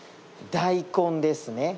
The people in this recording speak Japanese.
大根ですね。